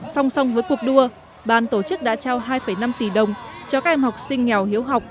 song song với cuộc đua bàn tổ chức đã trao hai năm tỷ đồng cho các em học sinh nghèo hiếu học